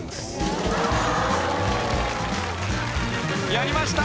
［やりました！